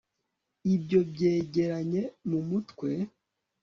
Ibyo byegeranye mu mutwe